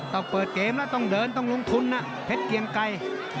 ต้องเปิดเกมแล้วต้องเดินต้องลงทุนนะเพชรเกียงไกร